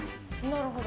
なるほど。